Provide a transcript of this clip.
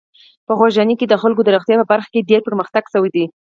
په خوږیاڼي کې د خلکو د روغتیا په برخه کې ډېر پرمختګ شوی دی.